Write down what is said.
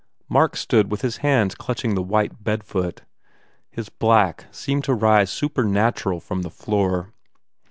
Mark stood with his hands clutching the white bedfoot. His black seemed to rise supernatural from the floor.